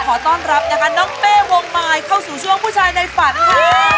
ขอต้อนรับนะคะน้องเป้วงมายเข้าสู่ช่วงผู้ชายในฝันค่ะ